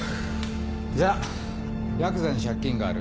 じゃあヤクザに借金がある？